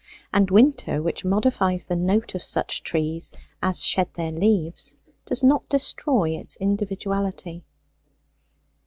And winter, which modifies the note of such trees as shed their leaves, does not destroy its individuality.